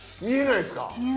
見えないですか？